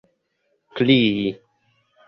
krii